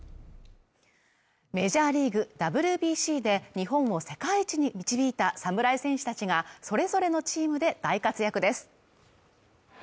メジャーリーグＷＢＣで日本を世界一に導いた侍戦士たちがそれぞれのチームで大活躍です。